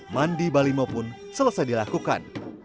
mandi balimo pun selesai dilakukan